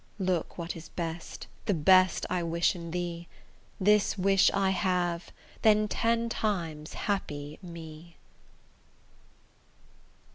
Look what is best, that best I wish in thee: This wish I have; then ten times happy me!